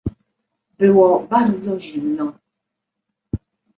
"Było bardzo zimno."